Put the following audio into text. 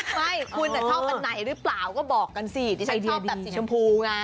ไม่คุณชอบอันไหนหรือเปล่าก็บอกกันสิดิฉันชอบแบบสีชมพูไง